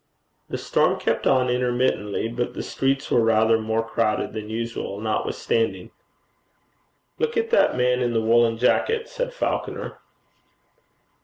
The storm kept on intermittently, but the streets were rather more crowded than usual notwithstanding. 'Look at that man in the woollen jacket,' said Falconer.